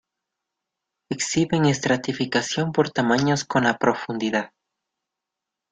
Exhiben estratificación por tamaños con la profundidad.